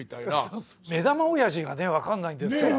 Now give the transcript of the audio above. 目玉おやじがね分かんないんですから。